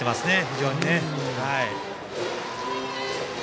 非常にね。